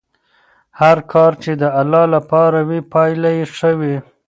هر کار چې د الله لپاره وي پایله یې ښه وي.